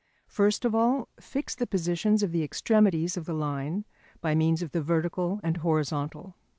First of all, fix the positions of the extremities of the line by means of the vertical and horizontal.